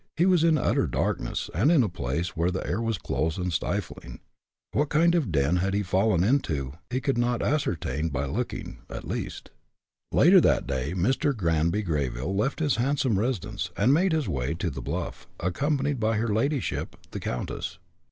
He was in utter darkness, and in a place where the air was close and stifling. What kind of a den he had fallen into he could not ascertain by looking, at least. Later that day Mr. Granby Greyville left his handsome residence, and made his way to the bluff, accompanied by her ladyship, the countess.